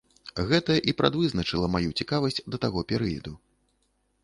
Гэта і прадвызначыла маю цікавасць да таго перыяду.